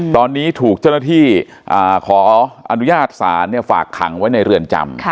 ตอนนี้ถูกเจ้าหน้าที่ขออนุญาตศาลฝากขังไว้ในเรือนจำ